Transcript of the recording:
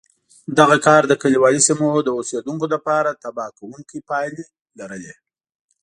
دغه کار د کلیوالي سیمو د اوسېدونکو لپاره تباه کوونکې پایلې لرلې